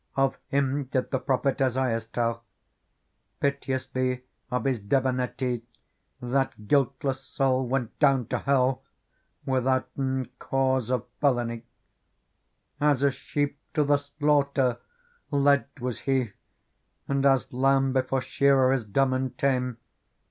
Of him did the prophet Esaias tell : Piteously of his debonairte That guiltless soul went down to hell Withouten cause of felony. As a sheep to the slaughter led was He, And, as lamb before shearer is dumb and tame.